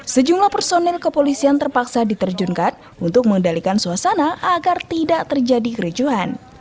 sejumlah personil kepolisian terpaksa diterjunkan untuk mengendalikan suasana agar tidak terjadi kericuhan